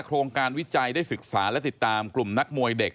โครงการวิจัยได้ศึกษาและติดตามกลุ่มนักมวยเด็ก